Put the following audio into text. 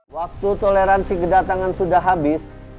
waktu toleransi kedatangan sudah habis